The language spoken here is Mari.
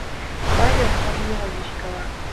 — Павел Корнилович гала...